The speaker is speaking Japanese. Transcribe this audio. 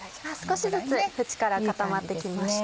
少しずつ縁から固まってきました。